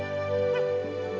ini yang harus diberikan pak